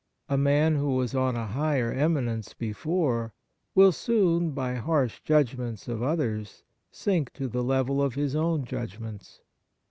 A man who was on a higher eminence before will soon by harsh judgments of others sink to the level of his own judgments.